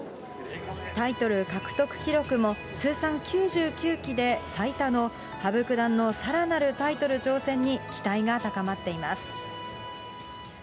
タイトル獲得記録も通算９９期で最多の羽生九段のさらなるタイトル挑戦に期待が高まっています。